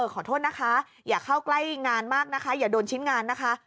ขอโทษนะคะอย่าเข้าใกล้งานมากนะคะอย่าโดนชิ้นงานนะคะ